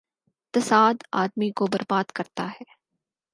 تضاد آ دمی کو بر باد کر تا ہے۔